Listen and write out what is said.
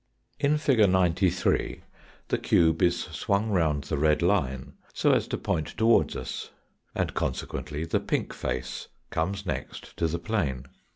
In fig. 93 the cube is swung round the red line so as to point towards us, and consequently the pink face comes next to the plane.